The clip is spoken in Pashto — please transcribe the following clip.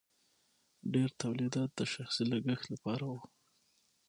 ډیر تولیدات د شخصي لګښت لپاره وو.